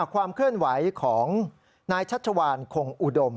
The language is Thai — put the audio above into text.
ความเคลื่อนไหวของนายชัชวานคงอุดม